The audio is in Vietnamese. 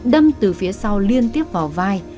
đâm từ phía sau liên tiếp vào vai